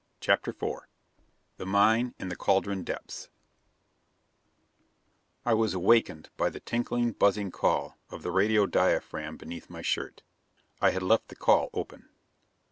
CHAPTER IV The Mine in the Cauldron Depths I was awakened by the tinkling, buzzing call of the radio diaphragm beneath my shirt. I had left the call open.